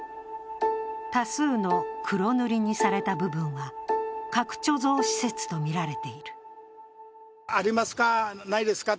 多数の黒塗りにされた部分は核貯蔵施設とみられている。